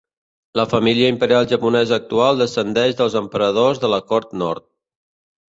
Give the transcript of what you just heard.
La família imperial japonesa actual descendeix dels emperadors de la cort nord.